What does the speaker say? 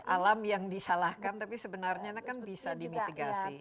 alam yang disalahkan tapi sebenarnya kan bisa dimitigasi